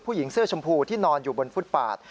ผู้หญิงเสื้อชมพูที่นอนอยู่บนฟุตปาด